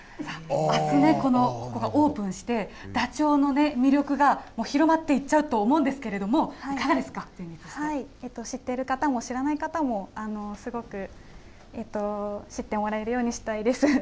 あすね、オープンして、ダチョウの魅力がもう広まっていっちゃうと思うんですけれども、いかがで知っている方も知らない方も、すごく知ってもらえるようにしたいです。